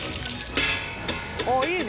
あっいいね。